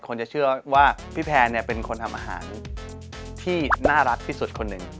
คนจะเชื่อว่าพี่แพนเป็นคนทำอาหารที่น่ารักที่สุดคนหนึ่ง